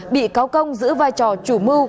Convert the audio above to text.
bị cáo công giữ vai trò chủ mưu